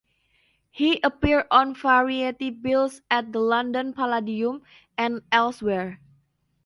He appeared on variety bills at the London Palladium and elsewhere.